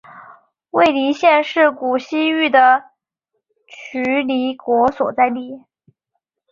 尉犁县是古西域的渠犁国所在地。